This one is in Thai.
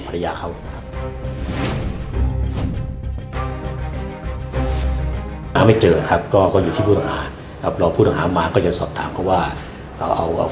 พระเจ้าจริงไหมครับพระเจ้าโอ้เกิดเราตายแล้วก็แส่นครับ